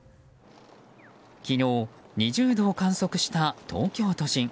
昨日、２０度を観測した東京都心。